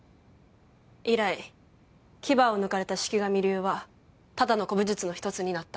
以来牙を抜かれた四鬼神流はただの古武術の一つになった。